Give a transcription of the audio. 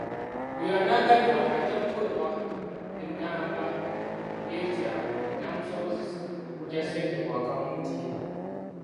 Buli anaaganyulwa ajja kuweebwa ennamba y'ekyama enaamusobozesa okuggya ssente ku akawunti ye